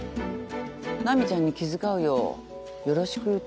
ナミちゃんに気遣うようよろしく言っといてくれ。